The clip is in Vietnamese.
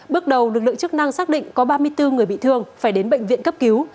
bước đầu lực lượng chức năng xác định có ba mươi bốn người bị thương phải đến bệnh viện cấp cứu